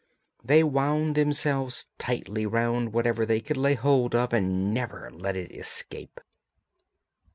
They wound themselves tightly round whatever they could lay hold of and never let it escape.